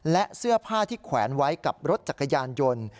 และเสื้อผ้าที่แขวนไว้กับรถจักรยานยนต์